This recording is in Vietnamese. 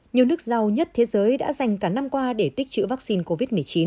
nhiều nước giàu nhất thế giới đã dành cả năm qua để tích chữ vaccine covid một mươi chín